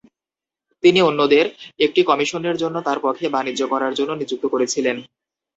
তিনি অন্যদের একটি কমিশনের জন্য তার পক্ষে বাণিজ্য করার জন্য নিযুক্ত করেছিলেন।